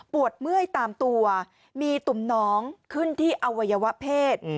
เมื่อยตามตัวมีตุ่มน้องขึ้นที่อวัยวะเพศ